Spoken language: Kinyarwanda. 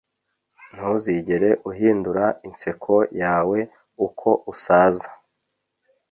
ntuzigere uhindura inseko yawe uko usaza